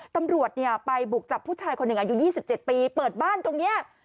ตำรวจเนี่ยไปบุกจับผู้ชายคนหนึ่งอายุ๒๗ปีเปิดบ้านตรงนี้